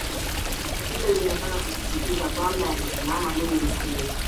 hilo linataka kusisitiza kwamba yanasimama kwenye msingi